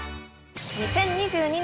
２０２２年